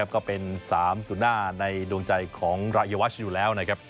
ก็เป็น๓ศูนย์หน้าในดวงใจของรายวัชอยู่แล้วนะครับ